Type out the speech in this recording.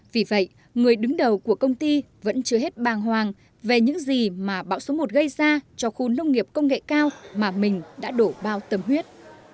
vì vậy người đứng đầu của công ty vẫn chưa hết bàng hoàng về những gì mà bão số một gây ra cho khu nông nghiệp công nghệ cao mà mình đã đổ bao tâm huyết